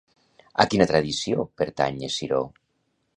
A quina tradició pertany Esciró?